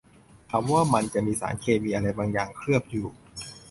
เขาว่ามันจะมีสารเคมีอะไรบางอย่างเคลือบอยู่